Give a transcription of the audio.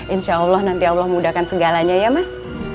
insya allah nanti allah mudahkan segalanya ya mas